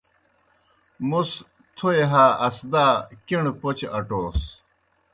موْس تھوئے ہا اسدا کݨہ پوْچہ اٹوس۔